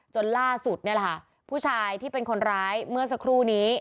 จนล่าสุดนี่แหละค่ะผู้ชายที่เป็นคนร้ายเมื่อสักครู่นี้